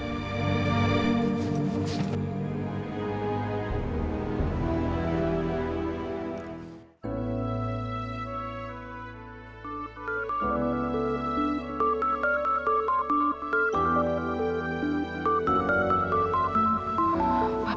astaga ya the best